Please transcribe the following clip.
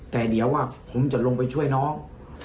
แต่เดี๋ยวว่าผมจะลงไปช่วยน้อง